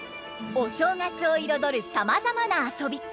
お正月を彩るさまざまな遊び。